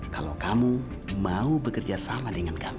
kalau kamu mau bekerja sama dengan kamu